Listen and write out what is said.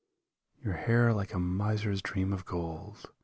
. Your hair like a miser's dream of gold.